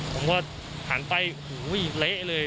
ผมก็หันไปหูยเละเลย